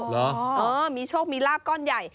เหรอมีโชคมีลาบก้อนใหญ่